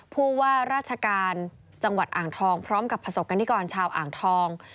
ผู้ว่าราชการจังหวัดอ่างทองพร้อมกับประสบกรณิกรชาวอ่างทอง